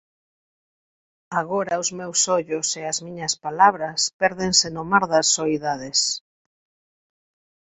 agora os meus ollos e as miñas palabras pérdense no mar das soidades